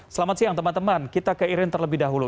selamat siang teman teman kita ke irin terlebih dahulu